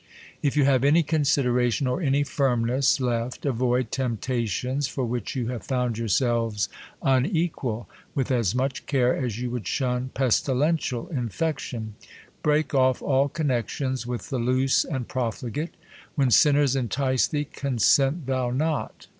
if you have any consideration, cr any firmness left,, avoid temptations, for which you have found yourselves unequal, with as much care as you would shun pestilential infection. Break off all connexions with the loose and profligate. " When sinners entice thee, consent thou not.